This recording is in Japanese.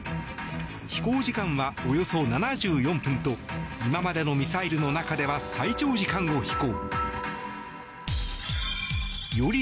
飛行時間はおよそ７４分と今までのミサイルの中では最長時間を飛行。